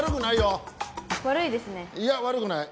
いや悪くない。